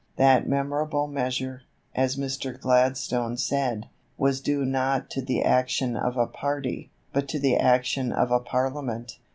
That memorable measure, as Mr. Gladstone said, was due not to the action of a party, but to the action of a Parliament.